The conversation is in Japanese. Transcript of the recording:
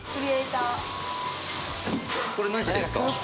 これ何してるんですか？